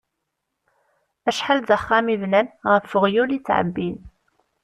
Acḥal d axxam i bnan, ɣef uɣyul i ttεebbin.